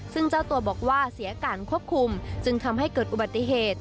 ซึ่งเจ้าตัวบอกว่าเสียการควบคุมจึงทำให้เกิดอุบัติเหตุ